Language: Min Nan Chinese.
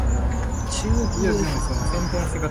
頭胎二胎食外家